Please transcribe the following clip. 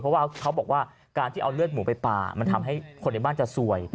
เพราะว่าเขาบอกว่าการที่เอาเลือดหมูไปป่ามันทำให้คนในบ้านจะซวย